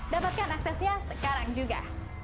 dapatkan aksesnya sekarang juga